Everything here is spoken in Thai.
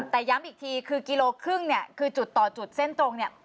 แต่ย้ำอีกทีคือกิโลครึ่งเนี่ยคือจุดต่อจุดเส้นตรงเนี่ย